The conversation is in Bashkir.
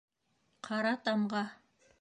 ҠАРА ТАМҒА